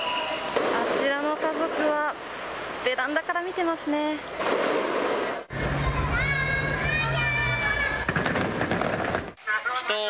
あちらの家族は、ベランダから見たまやー！